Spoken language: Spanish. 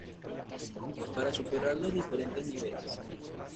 Para superar los diferentes niveles.